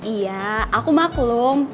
iya aku maklum